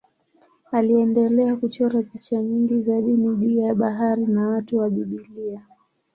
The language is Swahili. Aliendelea kuchora picha nyingi za dini juu ya habari na watu wa Biblia.